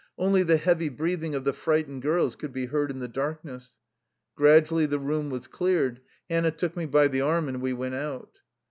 Only the heavy breathing of the fright ened girls could be heard in the darkness. Gradually the room was cleared. Hannah took me by the arm, and we went out.